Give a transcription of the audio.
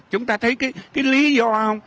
chúng ta thấy cái lý do không